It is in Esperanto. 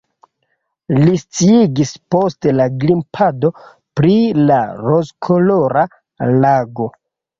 Li sciigis post la grimpado pri la rozkolora lago.